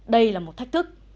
đây là một thách thức